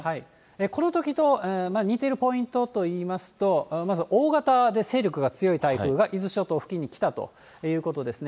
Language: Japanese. このときと似ているポイントといいますと、まず大型で勢力が強い台風が伊豆諸島付近に来たということですね。